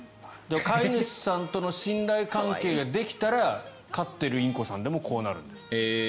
飼い主さんとの信頼関係ができたら飼っているインコさんでもこうなるんですって。